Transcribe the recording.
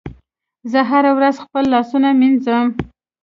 زه هره ورځ خپل لاسونه مینځم.